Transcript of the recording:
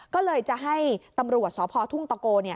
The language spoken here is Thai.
ก็เลยจะให้ตำรวจสพทุ่งตะโก